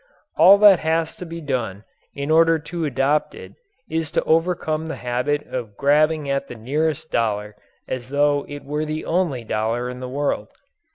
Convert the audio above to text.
All that has to be done in order to adopt it is to overcome the habit of grabbing at the nearest dollar as though it were the only dollar in the world.